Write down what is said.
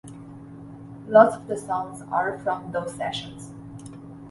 Lots of the songs are from those sessions.